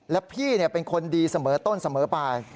และพี่เป็นคนดีเสมอต้นเสมอไป